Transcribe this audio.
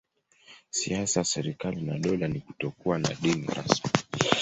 Siasa ya serikali na dola ni kutokuwa na dini rasmi.